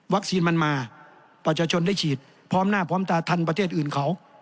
มันมาประชาชนได้ฉีดพร้อมหน้าพร้อมตาทันประเทศอื่นเขา